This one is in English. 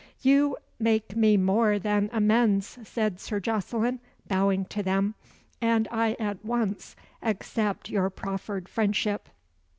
"You make me more than amends," said Sir Jocelyn, bowing to them, "and I at once accept your proffered friendship."